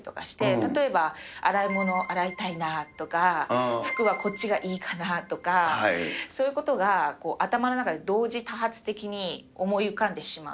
例えば洗い物、洗いたいなとか、服はこっちがいいかなぁとか、そういうことが頭の中で同時多発的に思い浮かんでしまう。